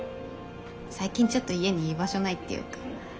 最近ちょっと家に居場所ないっていうか。